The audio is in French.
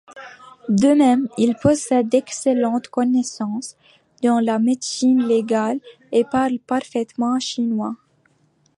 De même il possède d'excellentes connaissances dans la médecine légale et parle parfaitement chinois.